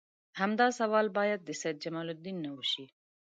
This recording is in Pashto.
همدا سوال باید د سید جمال الدین نه وشي.